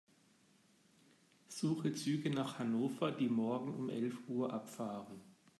Suche Züge nach Hannover, die morgen um elf Uhr abfahren.